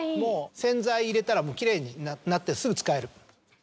洗剤入れたらきれいになってすぐ使える。